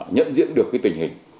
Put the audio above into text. nhận diễn được tình hình